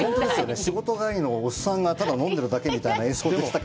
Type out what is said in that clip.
仕事帰りのおっさんがただ飲んでるだけみたいな映像でしたね。